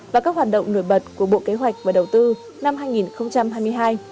và các hoạt động nổi bật của bộ kế hoạch và đầu tư năm hai nghìn hai mươi hai